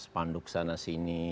panduk sana sini